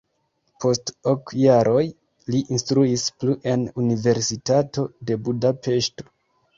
Post ok jaroj li instruis plu en Universitato de Budapeŝto.